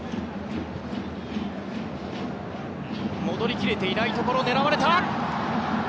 戻り切れていないところ狙われた。